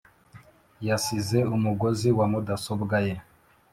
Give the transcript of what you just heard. Yasize umugozi wa mudasobwa ye